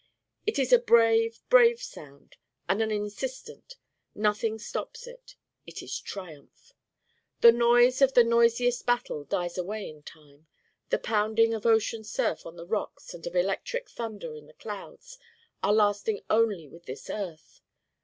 It is a brave, brave Sound, and an insistent: nothing stops it. It is triumph. The noise of the noisiest battle dies away in time. The pounding of ocean surf on the rocks and of electric thunder in the clouds are lasting only with this earth.